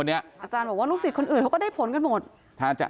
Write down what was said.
อาจารย์บอกว่ารูกศิษย์คนอื่นเธอก็ได้ผลกันหมด